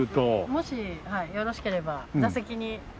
もしよろしければ打席に。